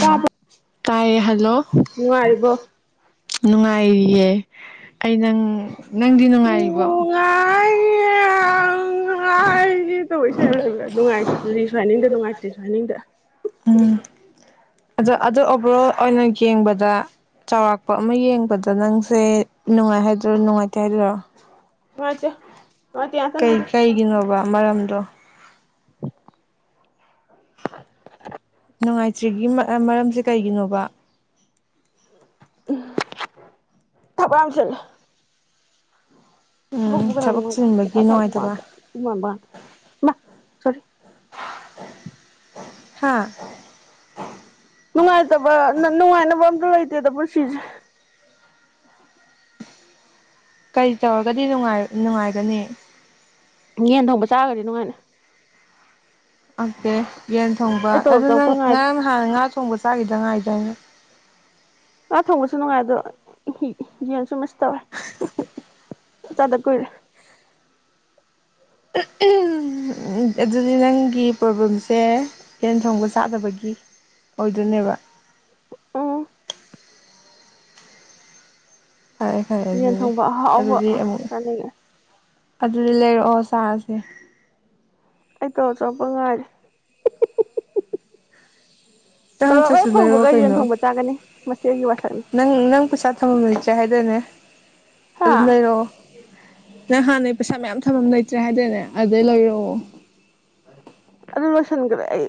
ꯇꯥꯕ ꯀꯥꯏꯌꯦ ꯍꯜꯂꯣ ꯍ ꯍꯥꯏꯔꯤꯕꯣ ꯅꯨꯡꯉꯥꯏꯔꯤꯌꯦ ꯑꯩ ꯅꯪ ꯅꯪꯗꯤ ꯎ ꯅꯨꯡꯉꯥꯏꯔꯤꯕꯣ ꯅꯨꯡꯉꯥꯏ ꯉꯥꯏꯁ ꯇꯧꯁꯦ ꯌꯥꯝ ꯂꯩꯕ꯭ꯔꯥ ꯅꯨꯡꯉꯥꯏꯇ ꯁ꯭ꯏꯅꯤꯡꯗ ꯅꯨꯡꯉꯥꯏꯇ꯭ꯦ ꯁꯏꯅꯤꯡꯗ ꯎꯝ ꯑꯗꯣ ꯑꯗ ꯑꯣꯕꯔ ꯑꯣꯜ ꯑꯣꯏꯅ ꯌꯦꯡꯕꯗ ꯆꯥꯎꯔꯥꯛꯄ ꯑꯃ ꯌꯦꯡꯕꯗ ꯅꯪꯁꯦ ꯅꯨꯡꯉꯥꯏ ꯍꯥꯏꯗꯣꯏꯔꯣ ꯅꯨꯡꯉꯥꯏꯇꯦ ꯍꯥꯏꯗꯣꯏꯔꯣ ꯃꯠꯇ ꯀꯩ ꯀꯩꯒꯤꯅꯣꯕ ꯑꯃꯔꯣꯝꯗꯣ ꯅꯨꯡꯉꯥꯏꯇ꯭ꯔꯤꯒꯤ ꯃꯔꯝꯁꯦ ꯀꯩꯒꯤꯅꯣꯕ ꯊꯄꯝꯁꯤꯂꯦ ꯀꯅꯥ ꯎꯝ ꯊꯕꯛ ꯆꯤꯟꯕꯒꯤ ꯅꯨꯡꯉꯥꯏꯇꯕ ꯁꯣꯔꯤ ꯍꯥꯥ ꯅꯨꯡꯉꯥꯏꯇꯕ ꯅꯨꯡꯉꯥꯏꯅꯕ ꯑꯝꯇ ꯂꯩꯇꯦꯗ ꯄꯨꯟꯁꯤꯁꯦ ꯀꯔꯤ ꯇꯧꯔꯒꯗꯤ ꯅꯨꯡꯉꯥꯏꯒꯅꯤ ꯌꯦꯟ ꯊꯣꯡꯕ ꯆꯥꯒꯗꯤ ꯅꯨꯡꯉꯥꯏꯅꯤ ꯑꯣꯀꯦ ꯌꯦꯟ ꯊꯣꯡꯕ ꯑꯩ ꯇꯣꯂꯣꯞ ꯑꯗꯨ ꯅꯪ ꯆꯪꯉꯛꯄ ꯉꯥꯏꯔꯤ ꯉꯔꯥꯡ ꯍꯥꯟꯅ ꯉꯥ ꯊꯣꯡꯕ ꯆꯥꯈꯤꯗꯉꯥꯏꯦ ꯇ ꯑꯥ ꯊꯣꯡꯕꯁꯨ ꯅꯨꯡꯉꯥꯏ ꯑꯗꯣ ꯌꯦꯟꯁꯨ ꯇ ꯆꯗ ꯀꯣꯏꯔ ꯑꯗꯨꯗꯤ ꯅꯪꯒꯤ ꯄ꯭ꯔꯣꯕ꯭ꯂꯦꯝꯁꯦ ꯍꯦꯟ ꯊꯣꯡꯕ ꯆꯥꯗꯕꯒꯤ ꯑꯣꯏꯗꯣꯏꯅꯦꯕ ꯑꯥ ꯐꯔꯦ ꯐꯔꯦ ꯌꯦꯖꯦꯟ ꯑꯗꯨꯗꯤ ꯊꯪꯕ ꯑꯍꯥꯎꯕ ꯑꯗꯨꯗꯤ ꯑꯃꯨꯛ ꯈꯔ ꯂꯩꯒꯦ ꯑꯗꯨꯗꯤ ꯂꯩꯔꯛꯑꯣ ꯁꯥꯥꯔꯁꯦ ꯑꯩ ꯇꯧ ꯆꯄ ꯉꯥꯏꯔꯦ ꯆꯪꯉꯛꯇ꯭ꯔꯁꯨ ꯇꯧꯔꯛꯑꯣ ꯂꯩꯔꯛꯑꯣ ꯐꯪꯕꯒ ꯌꯦꯟ ꯀꯩꯅꯣ ꯊꯣꯡꯕ ꯆꯥꯒꯅꯤ ꯃꯁꯤ ꯑꯩꯒꯤ ꯋꯥꯁꯛꯅꯤ ꯊꯝꯃꯝ ꯂꯩꯆꯦ ꯍꯥꯏꯗꯅꯦ ꯍꯥ ꯑꯗꯨꯅꯥꯏꯩꯅꯣ ꯅꯪ ꯍꯥꯟꯅꯩ ꯄꯩꯁꯥ ꯃꯌꯥꯝ ꯊꯝ ꯑꯃ ꯂꯩꯇ꯭ꯔꯦ ꯍꯥꯏꯗꯅꯦ ꯑꯗꯨꯗꯩ ꯂꯩꯔꯛꯑꯣ ꯑꯗꯨ ꯂꯣꯏꯁꯤꯟꯈ꯭ꯔꯦ ꯑꯩ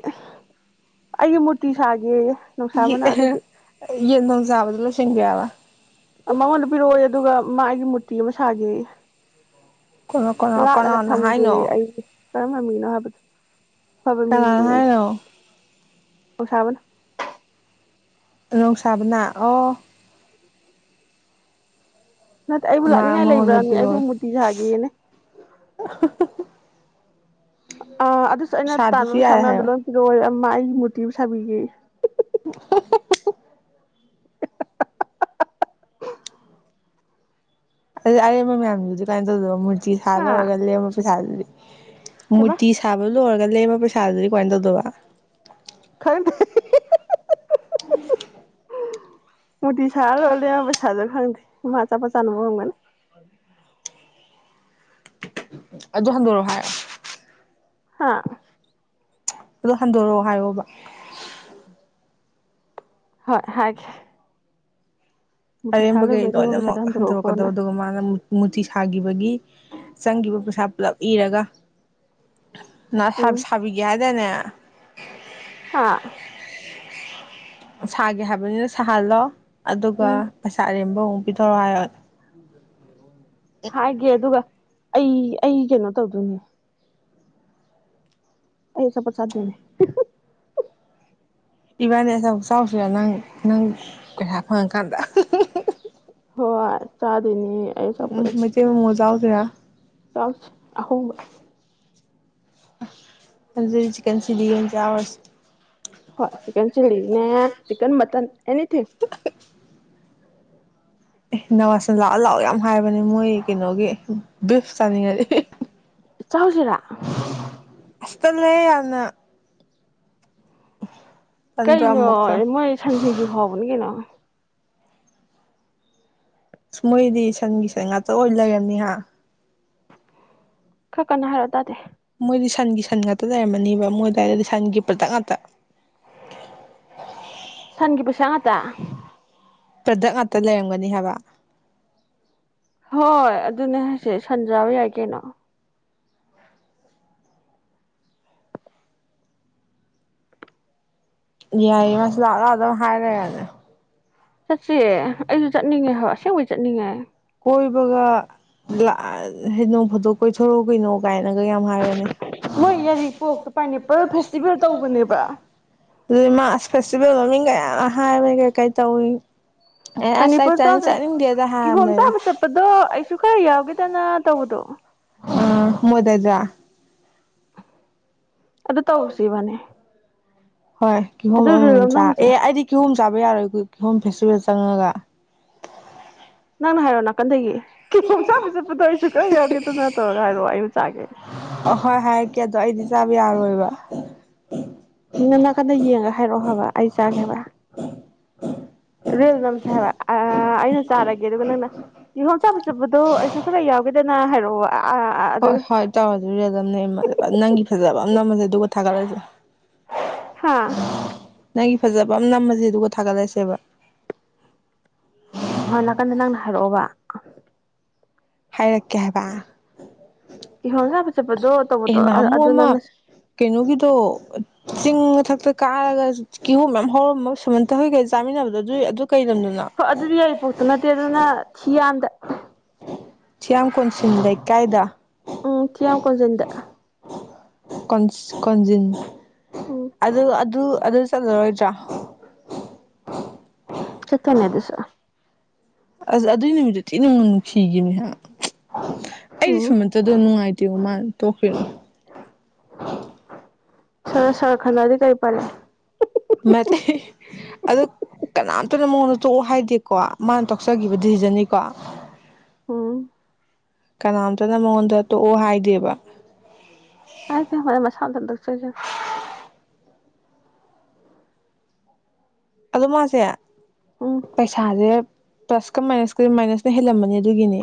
ꯑꯩꯒꯤ ꯃꯨꯔꯇꯤ ꯁꯥꯒꯦ ꯌꯦ ꯅꯖꯥꯕꯗ ꯆꯁꯤꯡꯒꯌꯥ ꯋꯥ ꯃꯉꯣꯟꯗ ꯄꯤꯔꯛꯑꯣ ꯑꯗꯨꯒ ꯃꯥ ꯑꯩꯒꯤ ꯃꯨꯔꯇꯤ ꯑꯃ ꯁꯥꯒ ꯀꯅꯥ ꯀꯅꯥ ꯂꯥꯠꯂꯒ ꯀꯅꯥꯅ ꯊꯝꯒꯦ ꯍꯥꯏꯅꯣ ꯑꯩꯁ ꯀꯔꯝꯕꯃꯤꯡ ꯍꯥꯕꯗ ꯍꯕ ꯃꯤꯅꯤ ꯀꯅꯥꯅ ꯌꯥꯁꯤ ꯍꯥꯏꯅꯣ ꯑꯣꯁꯕꯅ ꯔꯣꯡꯁꯕꯅ ꯑꯣ ꯅꯠꯇꯦ ꯑꯩꯕꯨ ꯃꯥ ꯂꯥꯛꯅꯤꯡꯉꯥꯏ ꯃꯉꯣꯟꯗ ꯂꯩꯕ꯭ꯔꯥꯕꯅꯤ ꯑꯩꯕꯨ ꯄꯤꯔꯛꯑꯣ ꯃꯨꯔꯇꯤ ꯁꯥꯥꯒꯦꯅꯦ [unintelligible] ꯑ ꯑꯗꯨꯁꯨ ꯑꯩꯅ ꯇꯥꯟꯕ ꯁꯥꯗ꯭ꯔꯁꯨ ꯄꯩꯁꯥ ꯌꯥꯔꯦ ꯃꯌꯥꯝꯗꯣ ꯍꯥꯏꯌꯣ ꯂꯣꯏ ꯄꯤꯔꯛꯑꯣꯔꯦ ꯃꯥꯏ ꯃꯨꯇꯤꯕꯨꯁꯥꯕꯤꯒꯤ [unintelligible] ꯑ ꯑꯦꯝ ꯃꯌꯥꯝ ꯅ ꯑꯗꯨ ꯃꯨꯔꯇꯤ ꯁꯥ ꯍꯥ ꯂꯣꯔꯒ ꯑꯃ ꯄꯁꯗꯗꯤ ꯀꯩꯕ ꯃꯨꯔꯇꯤ ꯁꯥꯕ ꯂꯣ ꯑꯣꯏꯔ ꯂꯩꯕ ꯄꯩꯁꯥꯗꯨꯗꯤ ꯀꯃꯥꯏꯅ ꯇꯧꯗꯕ ꯈꯪꯗ ꯃꯨꯗꯤ ꯁꯥ ꯂꯣꯗ ꯄꯁꯥꯗꯣ ꯈꯪꯗ ꯃꯥ ꯆꯥꯄ ꯆꯅꯕꯒꯅꯦ ꯑꯗꯨ ꯍꯟꯗꯔꯣ ꯍꯥꯏ ꯍꯥꯥ ꯑꯗꯣ ꯍꯟꯗꯣꯔꯛꯑꯣ ꯍꯥꯏꯔꯣꯕ ꯍꯣꯏ ꯍꯥꯏꯦ ꯑꯔꯦꯝꯕꯈꯩ ꯂꯣꯏꯅꯃꯛ ꯄꯩꯁꯥꯗꯣ ꯍꯟꯗꯣꯔꯛꯀꯗꯕ ꯍꯟꯗꯣꯔꯛꯎꯀꯣꯅ ꯑꯗꯨꯒ ꯃꯥꯅ ꯃꯨꯔꯇꯤ ꯁꯥ ꯆꯪꯈꯤꯕ ꯄꯩꯁꯥ ꯄꯨꯂꯞ ꯏꯔꯒ ꯅꯅꯥ ꯁ ꯎꯝ ꯁꯕꯤꯒꯦꯍꯗꯦꯅꯦ [unintelligible] ꯍꯥꯥ ꯁꯥꯒꯦ ꯍꯥꯏꯕꯅꯤꯅ ꯁꯥꯍꯜꯂꯣ ꯑꯗꯨꯒ ꯎꯝ ꯄꯩꯁꯥ ꯑꯔꯦꯝꯕ ꯑꯃꯨꯛ ꯄꯤꯊꯧꯔꯣ ꯍꯥꯏꯔꯣꯅꯦ [unintelligible] ꯍꯥꯏꯦ ꯑꯗꯨꯒꯒ ꯑꯩ ꯑꯩ ꯀꯩꯅꯣ ꯇꯧꯗꯣꯏꯅꯦ ꯑꯩ ꯁꯄ ꯁꯥꯗꯨꯅꯦ ꯏꯕꯥꯅꯤ ꯑꯆ ꯆꯥꯎꯁꯤꯔ ꯅꯪ ꯅꯪ ꯄꯩꯁꯥ ꯐꯪꯉꯀꯥꯟꯗ ꯍꯣꯏ ꯆꯥ ꯑꯗꯨꯅꯤ ꯎꯝ ꯃꯩꯇꯩ ꯃꯃꯣ ꯌꯥꯎꯗꯔꯥ ꯆꯥꯎꯁ ꯑꯍꯣꯡꯕ ꯑ ꯆꯟ ꯁꯤꯗꯤ ꯆꯥꯋꯥꯔꯁ ꯍꯣꯏ ꯆꯟ ꯆꯤꯂꯤ ꯅ ꯆꯤꯟ ꯃꯇꯟ ꯑꯦꯅꯤꯊ ꯑꯦ ꯅꯋꯥꯖꯟ ꯂꯥꯛꯑꯣ ꯂꯥꯛꯑꯣ ꯌꯥꯝ ꯍꯥꯏꯕꯅꯦ ꯃꯣꯏ ꯀꯩꯅꯣꯒꯤ ꯕꯤꯐ ꯆꯥꯅꯤꯡꯉꯗꯤ ꯆꯥꯎꯥꯛꯁꯤꯔꯥ ꯑꯁ ꯇꯜꯂꯦꯍꯦ ꯌꯥꯝꯅ ꯇꯟꯗ꯭ꯔꯥ ꯀꯩꯩꯅꯣ ꯑꯃꯨꯛꯀ ꯃꯣꯏ ꯁꯟ ꯁꯤꯡꯖꯨ ꯐꯥꯎꯕꯅꯤ ꯀꯩꯅꯣ ꯃꯣꯏꯗꯤ ꯁꯟꯒꯤ ꯁꯟ ꯉꯥꯛꯇ ꯑꯣꯏ ꯂꯩꯔꯅꯤꯍ ꯈꯔ ꯀꯅ ꯍꯥꯏꯔꯛꯑꯣ ꯇꯥꯗꯦ ꯃꯣꯏꯗꯤ ꯁꯟꯒꯤ ꯁꯟ ꯉꯥꯛꯇ ꯂꯩꯔꯝꯃꯅꯦꯕ ꯃꯣꯏ ꯑꯗꯨꯋꯥꯏꯗꯗꯤ ꯁꯟꯒꯤ ꯄ꯭ꯔꯗꯛ ꯉꯥꯛꯇ ꯁꯟꯒꯤ ꯄꯩꯁꯥ ꯉꯇꯥ ꯄ꯭ꯔꯗꯛ ꯉꯥꯛꯇ ꯂꯩꯔꯝꯒꯅꯤ ꯍꯥꯏꯕ ꯍꯣꯏ ꯑꯗꯨꯅꯦ ꯍꯧꯁꯦ ꯁꯟꯖꯥꯕ ꯌꯥꯏ ꯀꯩꯅꯣ ꯌꯥꯏꯌꯦ ꯃꯥꯁꯨ ꯂꯥꯛ ꯂꯥꯛꯑ ꯑꯗꯨꯝ ꯍꯥꯏꯔ ꯂꯩꯔꯕꯅꯦ ꯆꯠꯁꯦ ꯑꯩꯁꯨ ꯆꯠ ꯅꯤꯡꯉꯦ ꯍꯥꯏꯕ ꯑꯁꯦꯡꯕꯩ ꯆꯠꯅꯤꯡꯉꯦ ꯀꯣꯏꯕꯒ ꯍꯥꯏꯗꯤ ꯅꯣꯡꯐꯥꯗꯣꯛ ꯀꯣꯏꯊꯣꯔꯎ ꯀꯩꯅꯣ ꯀꯥꯏꯅ ꯃꯣꯏ ꯌꯥꯏꯔꯤꯄꯣꯛꯇ ꯄꯥꯏꯅꯦꯄꯜ ꯐꯦꯁꯇꯤꯚꯦꯜ ꯇꯧꯕꯅꯦꯕ ꯑꯗꯨꯗꯤ ꯃꯥ ꯑꯁ ꯐꯦꯁꯇꯤꯚꯦꯜ ꯃꯃꯤꯡꯒ ꯌꯥꯝ ꯍꯥꯏꯕ ꯀꯩ ꯀꯩ ꯇꯧꯏ ꯑꯦ ꯑꯁ ꯑꯩ ꯄꯅꯤꯄꯨꯔ ꯆꯥꯅꯤ ꯆꯥꯅꯤꯡꯗꯦꯗ ꯍꯥꯏ ꯄꯗꯣ ꯑꯩꯁꯨ ꯈꯔ ꯌꯥꯎꯒꯦꯗꯅ ꯇꯧꯕꯗꯣ ꯑ ꯃꯣꯏꯗꯗ ꯑꯗꯨꯗ ꯇꯧꯔꯁꯤ ꯏꯕꯅꯦ ꯍꯣꯏ ꯀꯤꯍꯣꯝ ꯑꯃ ꯃꯝ ꯆꯥꯔꯒ ꯅꯝꯃꯨꯁꯦ ꯑꯦ ꯑꯩꯗꯤ ꯀꯤꯍꯣꯝ ꯆꯥꯕ ꯌꯥꯔꯣꯏ ꯑꯩꯈꯣꯏ ꯍꯣꯝ ꯐꯦꯁꯇꯤꯚꯦꯜ ꯆꯪꯉꯒ ꯀ ꯍꯥꯏꯔꯣ ꯅꯥꯀꯟꯗꯒꯤ ꯀꯤꯍꯣꯝ ꯆꯥꯕ ꯆꯠꯄꯗꯣ ꯑꯩꯁꯨ ꯈꯔ ꯌꯧꯒꯦꯗꯅ ꯇꯧꯔꯒ ꯍꯥꯏꯔꯣ ꯑꯩꯁꯨ ꯆꯥꯒꯦ ꯑꯍꯣꯏ ꯍꯥꯏꯔꯛꯀꯦ ꯑꯗꯣ ꯑꯩꯗꯤ ꯆꯥꯕ ꯌꯥꯔꯣꯏꯕ ꯅꯪ ꯅꯥꯀꯟꯗ ꯌꯦꯡꯉꯒ ꯍꯥꯏꯔꯛꯑꯣ ꯍꯥꯏꯕ ꯑꯩ ꯆꯥꯒꯦꯕ ꯔꯤꯜꯁ ꯅꯝꯁꯦ ꯍꯥꯏꯕ ꯑꯩꯅ ꯆꯥꯔꯒꯦ ꯑꯗꯨꯒ ꯅꯪꯅ ꯀꯤꯍꯣꯝ ꯆꯥꯕ ꯆꯕꯗꯣ ꯑꯩꯁꯨ ꯈꯔ ꯌꯥꯎꯒꯦꯗ ꯅ ꯍꯥꯏꯔꯛꯑꯣꯕ ꯍꯣꯏ ꯍꯣꯏ ꯇꯧꯔ ꯑꯗꯨꯗꯤ ꯑꯗꯨꯝ ꯅꯪꯒꯤ ꯐꯖꯕ ꯁꯝ ꯅꯃꯁꯦ ꯑꯗꯨꯒ ꯀ ꯊꯥꯒꯠꯂꯁꯨ ꯍꯥꯥ ꯅꯪꯒꯤ ꯐꯖꯕ ꯑꯃ ꯅꯝꯃꯁꯦ ꯑꯗꯨꯒ ꯊꯥꯒꯠꯂꯁꯦꯕ ꯍꯣꯏ ꯅꯥꯀꯟꯗ ꯅꯪꯅ ꯍꯥꯏꯔꯛꯑꯣꯕ ꯍꯥꯏꯔꯛꯀꯦ ꯍꯥꯏꯕ ꯀꯤꯍꯣꯝ ꯆꯥꯕ ꯆꯠꯄꯗꯣ ꯑꯦ ꯇꯧꯕꯗꯣ ꯅꯍꯥꯟꯃꯨꯛ ꯑꯗꯨ ꯑꯃ ꯅꯪꯅ ꯀꯩꯅꯣꯒꯤꯗꯣ ꯆꯤꯡ ꯃꯊꯛꯇ ꯀꯥꯔꯒ ꯀꯤꯍꯣꯞ ꯃꯌꯥꯝ ꯍꯧꯔꯝꯕ ꯁꯨꯝꯃꯟꯇ ꯍꯣꯏꯒꯩ ꯆꯥꯃꯤꯟꯅꯕꯗꯣ ꯑꯗꯨꯏ ꯍꯣꯏ ꯑꯗꯨꯗꯤ ꯌꯥꯏꯔꯤꯄꯣꯛꯇ ꯅꯠꯇꯦ ꯑꯗꯨꯅ ꯊꯤꯌꯥꯝꯗ ꯆꯌꯥꯌꯥꯝ ꯀꯣꯟꯁꯤꯟ ꯂꯩ ꯀꯥꯏꯗ ꯀꯣꯟꯖꯟꯗ ꯀꯣꯟꯁ ꯀꯣꯟꯖꯤꯤꯟ ꯎꯝ ꯑꯗ ꯑꯗꯨ ꯑꯗꯨ ꯆꯣꯏ꯭ꯔ ꯆꯀꯅꯗꯨꯁ ꯑꯁ ꯑꯗꯨꯏ ꯅꯨꯃꯤꯠꯇꯨ ꯊꯤ ꯅꯨꯡꯅ ꯅꯨꯡꯁꯤꯈꯤꯕꯅꯤꯍ ꯑꯩꯗꯤ ꯎꯝ ꯁꯨꯝꯃꯠꯇꯗꯣ ꯅꯨꯡꯉꯥꯏꯇꯦꯕ ꯃꯥ ꯇꯣꯛꯈ꯭ꯔꯤꯅꯣ ꯁꯔ ꯁꯔ ꯈꯟꯅꯗꯤ ꯀꯩ ꯄꯔꯦ ꯑꯗꯨ ꯀꯅꯥꯝꯇꯅ ꯃꯉꯣꯟꯗ ꯇꯣꯛꯑꯣ ꯍꯥꯏꯗꯦꯀꯣ ꯃꯥꯅ ꯇꯣꯛꯆꯈꯤꯕ ꯗꯤꯁꯤꯖꯟꯅꯤꯀꯣ ꯎꯝ ꯀꯅꯥꯝꯇꯅ ꯃꯉꯣꯟꯗ ꯇꯣꯛꯑꯣ ꯍꯥꯏꯗꯦꯕ ꯍꯥꯏꯥꯏ ꯃ ꯃ ꯁꯥꯟꯗ ꯆ ꯑꯗꯨ ꯃꯥꯁꯦ ꯎꯝ ꯄꯩꯁꯥꯁꯦ ꯄ꯭ꯂꯁꯀ ꯃꯥꯏꯅꯁꯀ ꯃꯥꯏꯅꯁꯅ ꯍꯦꯜꯂꯝꯃꯅꯤ ꯑꯗꯨꯒꯤꯅꯤ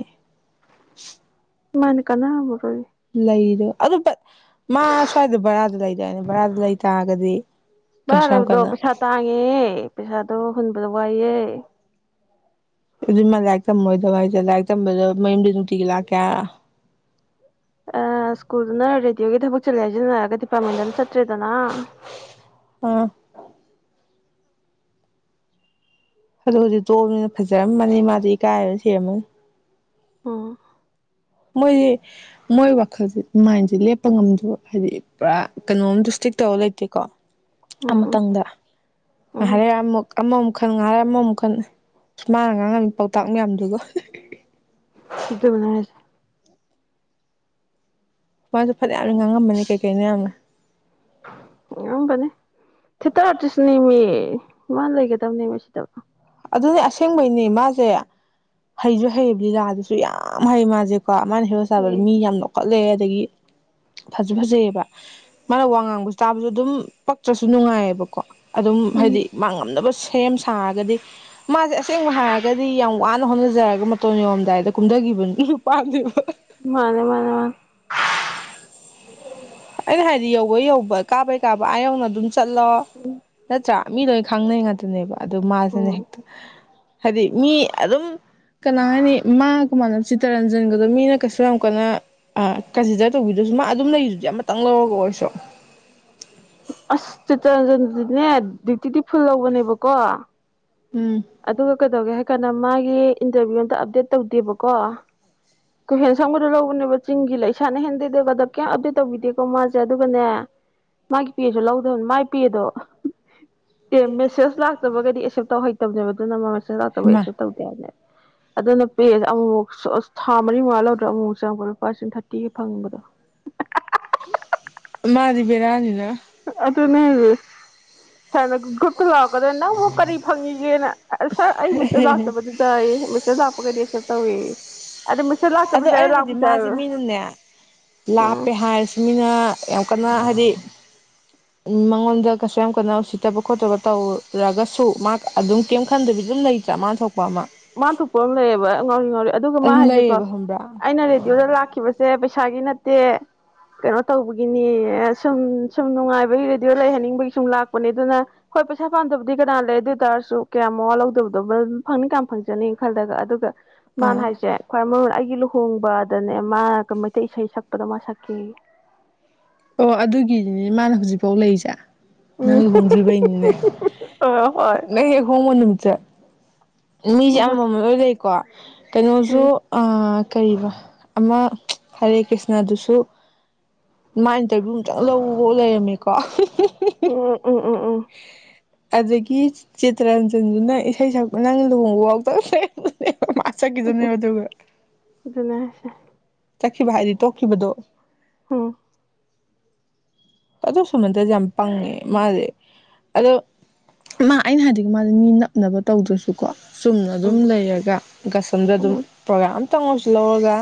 ꯃꯥꯥꯏꯅ ꯀꯅꯥꯕꯔꯣꯏ ꯂꯩ ꯂꯩꯗꯨ ꯑꯗꯨ ꯃꯥ ꯁ꯭ꯋꯥꯏꯗ ꯕꯔꯥꯗ ꯂꯩꯗ ꯍꯥꯏꯏꯅꯦ ꯕꯔꯥꯗ ꯂꯩ ꯇꯥꯔꯒꯗꯤ ꯚꯔꯥ ꯀꯩꯁꯨ ꯌꯥꯝ ꯀꯟꯅꯣ ꯇꯣ ꯍꯨꯟꯕꯗꯣ ꯋꯥꯏꯑꯦ ꯑꯗꯨ ꯃꯥ ꯂꯥꯏꯔꯤꯛ ꯇꯝꯃꯣꯏꯗꯕ ꯍꯥꯏꯁꯦ ꯂꯥꯏꯔꯤꯛ ꯇꯝꯕꯗꯣ ꯃꯌꯨꯝꯗꯤ ꯅꯨꯡꯇꯤꯒꯤ ꯂꯥꯛꯀꯦ ꯁ꯭ꯀꯨꯜꯗꯨꯅ ꯔꯦꯗꯤꯑꯣꯒꯤ ꯊꯕꯛ ꯆꯠꯂꯦ ꯍꯥꯏꯖꯤꯟꯅꯔꯒ ꯗꯤꯄꯥꯔꯠꯃꯦꯟꯗꯅ ꯆꯠꯇ꯭ꯔꯦꯗꯅ ꯑꯥ ꯑꯗꯨ ꯍꯧꯖꯤꯛ ꯇꯣꯝꯅꯤꯅ ꯐꯖꯔꯝꯃꯅꯤ ꯃꯥꯗꯤ ꯏꯀꯥꯏꯔ ꯁꯦꯝꯃꯅꯤ ꯑꯣ ꯃꯣꯏꯒꯤ ꯃꯣꯏ ꯋꯥꯈꯜꯁꯦ ꯃꯥꯏꯟꯁꯦ ꯂꯦꯞꯄ ꯉꯝꯗꯕ ꯍꯥꯏꯗꯤ ꯄꯨꯔꯥ ꯀꯩꯅꯣꯝꯗꯨ ꯏꯁꯇꯤꯔꯤꯛ ꯇꯧꯔ ꯂꯩꯇꯦꯀꯣ ꯎꯝ ꯑꯃꯇꯪꯗ ꯎꯝ ꯉꯥꯏꯍꯔ ꯑꯃꯨꯛ ꯑꯃꯃꯨꯛ ꯃꯈꯜ ꯉꯥꯏꯔ ꯑꯃꯃ ꯃꯈꯨꯛ ꯃꯈꯜ ꯁ ꯃꯥꯅ ꯉꯥꯡꯉꯝꯃꯤ ꯄꯥꯎꯇꯥꯛ ꯃꯌꯥꯝꯗꯨꯒꯣ ꯑꯗꯨꯗ ꯃꯅꯔꯁꯦ ꯃꯄꯥꯁꯨ ꯐꯅꯌꯥꯝꯅ ꯉꯥꯡꯉꯝꯃꯅꯤ ꯀꯩꯀꯩꯅꯣ ꯌꯥꯝꯅ ꯊꯦꯇꯔ ꯑꯥꯔꯇꯤꯁꯅꯦ ꯃꯤ ꯃꯥ ꯂꯩꯒꯗꯕꯅꯦ ꯃ ꯁꯤꯗꯕ ꯑꯗꯨꯅꯦ ꯑꯁꯦꯡꯕꯩꯅꯦ ꯃꯥꯁꯦ ꯍꯩꯁꯨ ꯍꯩꯕ ꯂꯤꯂꯥꯗꯨꯁꯨ ꯌꯥꯝ ꯍꯩ ꯃꯥꯁꯦ ꯀꯣ ꯃꯥꯅ ꯍꯦꯔ ꯆꯥꯕꯗꯣ ꯃꯤ ꯌꯥꯝ ꯅꯣꯛꯀꯠꯂꯦ ꯑꯗꯒꯤ ꯐꯖ ꯐꯖꯩꯑꯕ ꯃꯥꯅ ꯋꯥ ꯉꯥꯡꯕꯁꯨ ꯇꯥꯕꯁꯨ ꯑꯗꯨꯝ ꯄꯛꯇ꯭ꯔꯁꯨ ꯅꯨꯡꯉꯥꯏꯌꯦꯕꯀꯣ ꯑꯗꯨꯝ ꯎꯝ ꯍꯥꯏꯗꯤ ꯃꯥꯡꯉꯝꯅꯕ ꯁꯦꯝ ꯁꯥꯔꯒꯗꯤ ꯃꯥꯁꯦ ꯑꯁꯦꯡꯕ ꯍꯥꯏꯔꯒꯗꯤ ꯌꯥꯝ ꯋꯥꯅ ꯍꯣꯠꯅꯖꯔꯒ ꯃꯇꯣꯟ ꯌꯧꯔꯝꯗꯥꯏꯗ ꯀꯨꯝꯊꯈꯤꯕꯅꯤ ꯃꯥꯅꯦ ꯃꯥꯅꯦꯦ ꯃꯥꯅꯤ ꯑꯩꯅ ꯍꯥꯏꯗꯤ ꯌꯧꯕꯩ ꯌꯧꯕ ꯀꯥꯕꯩ ꯀꯥꯕ ꯑꯥ ꯌꯧꯅ ꯑꯗꯨꯝ ꯆꯠꯂꯣ ꯅꯠꯇ꯭ꯔꯥ ꯃꯤ ꯂꯣꯏ ꯈꯪꯅꯩ ꯉꯥꯛꯇꯅꯦꯕ ꯑꯗꯨꯗ ꯃꯥꯁꯤꯅ ꯎꯝ ꯍꯦꯛꯇ ꯍꯥꯏꯗꯤ ꯃꯤ ꯑꯗꯨꯝ ꯀꯅꯥ ꯍꯥꯏꯅꯤ ꯃꯥꯒ ꯃꯥꯟꯅ ꯆꯤꯇꯔꯟꯖꯟꯒꯗꯣ ꯃꯤꯅ ꯀꯩꯁꯨ ꯌꯥꯝ ꯀꯟꯅ ꯑ ꯀꯟꯁꯤꯗꯔ ꯇꯧꯕꯤꯗꯁꯨ ꯃꯥ ꯑꯗꯨꯝ ꯂꯩꯔꯤꯗꯨꯗꯤ ꯑꯃ [unintelligible] ꯑꯁ ꯆꯤꯇꯔꯟꯖꯟꯗꯨꯅꯦ ꯗꯤꯎꯇꯤꯗꯤ ꯐꯨꯜ ꯂꯧꯕꯅꯦꯕꯀꯣ ꯎꯝ ꯑꯗꯨꯒ ꯀꯩꯗꯧꯒꯦ ꯍꯥ ꯀꯅꯥ ꯃꯥꯒꯤ ꯏꯟꯇꯔꯚꯤꯌꯨ ꯑꯃꯗ ꯑꯞꯗꯦꯠ ꯇꯧꯗꯦꯕꯀꯣ ꯀꯍꯦꯟꯁꯝ ꯒꯥꯗꯣ ꯂꯧꯕꯅꯦꯕꯥ ꯆꯤꯡ ꯒꯤ ꯂꯩ ꯁꯥꯅ ꯍꯦꯟꯗꯗ ꯀꯌꯥꯝ ꯑꯞꯗꯦꯠ ꯇꯧꯕꯤꯗꯦꯀꯣ ꯃꯥꯁꯦ ꯑꯗꯨꯒꯅꯦ ꯃꯥꯒꯤ ꯄꯦꯁꯨ ꯂꯧꯗꯕꯅꯤ ꯃꯥꯏ ꯄꯦꯗꯣ ꯑꯦ ꯃꯦꯁꯦꯖ ꯂꯥꯛꯇꯕꯒꯗꯤ ꯑꯦꯛꯁꯦꯞ ꯇꯧꯍꯩꯇꯕꯅꯦꯕ ꯑꯗꯨꯅ ꯃꯥ ꯃꯦꯁꯦꯖ ꯂꯥꯛꯇꯕ ꯃꯥ ꯑꯦꯛꯁꯦꯞ ꯇꯧꯗꯦꯕꯅꯦꯕ ꯫ ꯑꯗꯨꯅ ꯄꯦꯖꯦ ꯑꯃꯨꯛ ꯃꯨꯛ ꯁꯣꯁ ꯊꯥ ꯃꯔꯤ ꯃꯉꯥ ꯂꯧꯗ꯭ꯔꯥ ꯑꯃꯨꯛ ꯆꯪꯉꯛꯄ ꯂꯨꯄꯥ ꯂꯤ ꯁꯤꯡ ꯊꯥꯔꯇꯤꯒꯤ ꯐꯪꯕꯗꯣ ꯃꯥꯗꯤꯕꯦꯔꯥꯅꯤꯅ ꯫ [unintelligible] ꯂꯥꯛꯄꯥꯗ ꯅꯪꯕꯨ ꯀꯔꯤ ꯐꯪꯉꯤꯒꯦꯅ ꯁꯥꯔ ꯑꯩ ꯃꯦꯁꯦꯖ ꯂꯥꯛꯇꯕꯗꯨꯗ ꯑꯩ ꯃꯦꯁꯦꯖ ꯂꯥꯛꯄꯒꯩꯗꯤ ꯑꯦꯛꯁꯦꯞ ꯇꯧꯏꯌꯦ ꯫ ꯑꯗꯨ ꯑꯩ ꯍꯥꯏꯗꯤ ꯃꯥꯁꯦ ꯌꯥꯎꯋꯦ ꯃꯤꯅꯅꯦ ꯎꯝ ꯂꯥꯞꯄꯦ ꯍꯥꯏꯔꯁꯤ ꯃꯤꯅ ꯌꯥꯝ ꯀꯟꯅ ꯍꯥꯏꯗꯤ ꯃꯉꯣꯟꯗ ꯀꯩꯁꯨ ꯌꯥꯝ ꯀꯟꯅ ꯎꯁꯤꯠꯇꯕ ꯈꯣꯠꯇꯕ ꯇꯧꯔꯒꯁꯨ ꯃꯥ ꯑꯗꯨꯝ ꯀꯩꯝ ꯈꯟꯗꯕꯤ ꯑꯗꯨꯝ ꯂꯩ [unintelligible] ꯃꯥ ꯊꯣꯛꯄ ꯑꯃ ꯂꯩꯌꯦꯕ ꯉꯥꯎꯔꯤ - ꯉꯥꯎꯔꯤ ꯑꯗꯨꯒ ꯃꯥ ꯑꯗꯨꯝ ꯍꯥꯏꯁꯦꯀꯣ ꯂꯩꯌꯦꯕ ꯈꯪꯕ꯭ꯔꯥ ꯑꯩꯅ ꯔꯦꯗꯤꯑꯣꯗ ꯂꯥꯛꯈꯤꯕꯁꯦ ꯄꯩꯁꯥꯒꯤꯅ ꯅꯠꯇꯦ ꯀꯩꯅꯣ ꯇꯧꯕꯒꯤꯅꯤ ꯁꯨꯝ ꯁꯨꯝ ꯅꯨꯡꯉꯥꯏꯕꯒꯤ ꯔꯦꯗꯤꯑꯣ ꯂꯩꯍꯟꯅꯤꯡꯕꯒꯤ ꯁꯨꯝ ꯂꯥꯛꯄꯅꯦ ꯑꯗꯨꯅ ꯍꯣꯏ ꯄꯩꯁꯥ ꯄꯥꯝꯗꯕꯗꯤ ꯀꯅꯥ ꯂꯩ ꯑꯗꯨ ꯑꯣꯏꯇꯥꯔꯁꯨ ꯀꯌꯥꯝ ꯃꯋꯥ ꯂꯧꯗꯕꯗꯣ ꯐꯪꯅꯤꯡ ꯀꯥꯟ ꯐꯪ ꯖꯅꯤ ꯈꯜꯂꯒ ꯑꯗꯨꯒ ꯃꯥꯅ ꯑꯥ ꯍꯥꯏꯁꯦ ꯈ꯭ꯋꯥꯏ ꯃꯔꯨ ꯑꯩꯒꯤ ꯍꯣꯡꯕꯗꯅꯦ ꯃꯥ ꯃꯩꯇꯩ ꯏꯁꯩ ꯁꯛꯄꯗꯣ ꯃꯥ ꯁꯛꯀꯦꯌꯦ꯫ ꯑꯣ ꯑꯗꯨꯒꯤꯅꯤꯅꯦ ꯃꯥꯅ ꯍꯧꯖꯤꯐꯥꯎ ꯂꯩꯔꯤꯁꯦ ꯎꯝ ꯅꯪ ꯂꯨꯍꯣꯡꯗ꯭ꯔꯤꯕꯩ ꯅꯤꯅꯦ ꯍꯣꯏ ꯍꯣꯏ ꯅꯪ ꯍꯦꯛ ꯍꯣꯡꯕ ꯅꯨꯃꯤꯠꯇ ꯃꯤꯁꯦ ꯍꯣꯏ ꯑꯃꯃꯝ ꯑꯣꯏ ꯂꯩꯀꯣ꯫ ꯀꯩꯅꯣꯁꯨ ꯎꯝ ꯑꯥ ꯀꯔꯤꯕ ꯑꯃ ꯍꯔꯦ ꯀ꯭ꯔꯤꯁꯅꯗꯨꯁꯨ ꯃꯥ ꯏꯟꯇꯔꯚꯤꯌꯨ ꯑꯝꯇꯪ ꯂꯧꯐꯥꯎ ꯂꯩꯔꯝꯃꯦꯀꯣ ꯎꯝ ꯎꯝ ꯎꯝ ꯎꯝ ꯑꯗꯒꯤ ꯆꯤꯇꯔꯟꯖꯟꯗꯨꯅ ꯏꯁꯩ ꯁꯛꯄ ꯅꯪ ꯂꯨꯍꯣꯡꯕ ꯐꯥꯎ ꯇꯧ꯭ꯔꯦ ꯑꯁꯆꯥ ꯀꯖꯅꯤ ꯋꯥꯗꯒ ꯑꯗꯨꯅꯦ ꯍꯥꯏꯁꯦ ꯆꯠꯈꯤꯕ ꯍꯥꯏꯗꯤ ꯇꯣꯛꯈꯤꯕꯗꯣ ꯍꯝ ꯑꯣ ꯁꯨꯃꯇꯗꯤ ꯌꯥꯝ ꯄꯪꯉꯦ ꯃꯥꯁꯦ ꯑꯗꯣ ꯃꯥ ꯑꯩꯅ ꯍꯥꯏꯗꯤ ꯃꯥꯗꯤ ꯃꯤꯅ ꯅꯕ ꯇꯧꯗ꯭ꯔꯁꯨꯀꯣ ꯆꯨꯝꯅ ꯎꯝ ꯑꯗꯨꯝ ꯂꯩꯔꯒ ꯒꯁꯝꯗ ꯑꯗꯨꯝ ꯎꯝ ꯄ꯭ꯔꯣꯒꯥ꯭ꯔꯝ ꯈꯤꯇꯪꯉꯁꯨ ꯂꯧꯔꯒ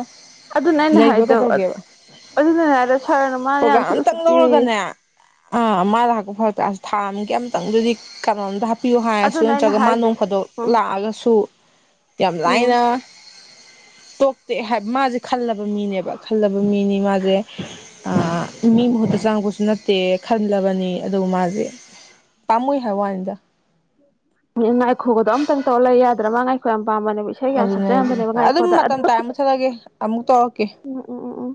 ꯑꯗꯨꯅ ꯑꯩꯅ ꯂꯩꯕ ꯍꯥꯏꯗꯣ ꯀꯩꯗꯧꯒꯦꯕ ꯑꯗꯨꯅꯅꯦ ꯍꯥꯏꯗ ꯁꯥꯔꯅ ꯃꯥꯅ ꯌꯥꯝ ꯄ꯭ꯔꯣꯒꯥꯝ ꯊꯤꯛ ꯑꯝꯇꯪ ꯎꯁꯤꯛꯇꯤ ꯂꯧꯔꯒꯅꯦ ꯑꯥ ꯃꯥꯥꯏꯗ ꯍꯥꯥꯛꯄ ꯐꯥꯎꯔꯗꯦ ꯑꯁ ꯊꯥ ꯑꯃꯒꯤ ꯑꯃꯝꯇꯪꯗꯨꯗꯤ ꯀꯩꯅꯣꯝꯗ ꯍꯥ ꯇꯥꯛꯄꯤꯌꯨ ꯍꯥꯏꯔꯁꯨ ꯑꯗꯨꯅ ꯑꯩꯅ ꯅꯠꯇ꯭ꯔꯒ ꯃꯥ ꯍꯥꯏꯁꯦ ꯅꯣꯡ ꯐꯥꯗꯣꯛ ꯎꯝ ꯂꯥꯛꯑꯒꯁꯨ ꯇ ꯑꯃ ꯎꯝ ꯂꯥꯏꯅ ꯇꯣꯛꯇꯦ ꯍꯥꯏꯕ ꯃꯥꯁꯦ ꯈꯜꯂꯕ ꯃꯤꯅꯦꯕ ꯈꯜꯂꯕ ꯃꯤꯅꯤ ꯃꯥꯁꯦ ꯆꯥꯎꯥꯡ ꯀꯁꯨ ꯅꯠꯇꯦꯛ ꯈꯜꯂꯕꯅꯤ ꯑꯗꯨ ꯃꯥꯁꯦ ꯄꯥꯝꯃꯨꯏ ꯍꯥꯏꯕ ꯋꯥꯅꯤꯗ [unintelligible] ꯈꯨꯒꯗꯣ ꯑꯃꯇꯪꯧꯔ ꯂꯩ ꯌꯥꯗ꯭ꯔꯥ ꯃꯉꯥꯏꯈꯣꯏ ꯌꯥꯝ ꯄꯥꯝꯕꯅꯦ ꯑꯗꯨꯅꯦ ꯑꯗꯨ ꯑꯗꯨꯝ ꯃꯇꯝ ꯇꯥꯏ ꯑꯃꯨ ꯆꯠꯂꯒꯦ ꯑꯃꯨꯛ ꯇꯧꯔꯛꯀꯦ ꯎꯝ ꯎꯝ ꯎꯝ ꯎꯝ